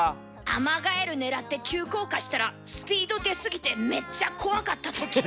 アマガエル狙って急降下したらスピード出すぎてめっちゃ怖かったとき。